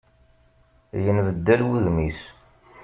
Yenbeddal wudem-is.